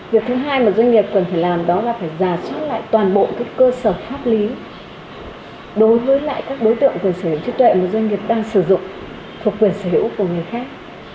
việc thứ hai mà doanh nghiệp cần phải làm đó là phải giả soát lại toàn bộ cơ sở pháp lý đối với lại các đối tượng quyền sở hữu trí tuệ mà doanh nghiệp đang sử dụng thuộc quyền sở hữu của người khác